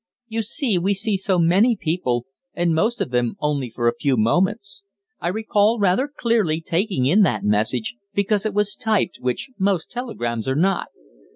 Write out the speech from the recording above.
"You see, we see so many people, and most of them only for a few moments. I recall rather clearly taking in that message, because it was typed, which most telegrams are not.